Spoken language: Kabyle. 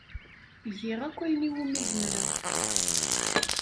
Giɣ akk ayen iwumi zemreɣ.